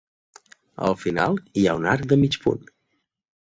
Al final hi ha un arc de mig punt.